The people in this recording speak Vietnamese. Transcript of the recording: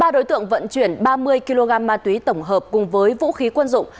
ba đối tượng vận chuyển ba mươi kg ma túy tổng hợp cùng với vũ khí quân dụng